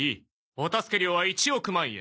お助け料は１億万円。